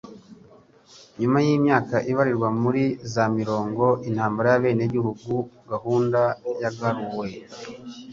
Nyuma yimyaka ibarirwa muri za mirongo intambara yabenegihugu, gahunda yagaruwe.